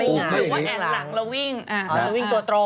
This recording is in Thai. หรือว่าหลังเราวิ่งเราวิ่งตัวตรง